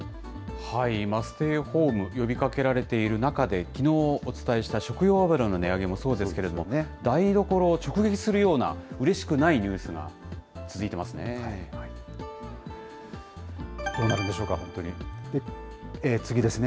ステイホーム、呼びかけられている中で、きのうお伝えした食用油の値上げもそうですけれども、台所を直撃するような、うれしくないニュースが続いてますね。